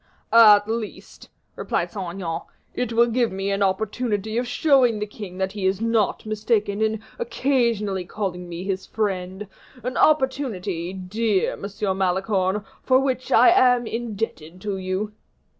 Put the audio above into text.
"At least," replied Saint Aignan, "it will give me an opportunity of showing the king that he is not mistaken in occasionally calling me his friend; an opportunity, dear M. Malicorne, for which I am indebted to you."